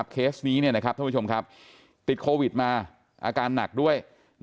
เคสนี้ท่านผู้ชมครับติดโควิดมาอาการหนักด้วย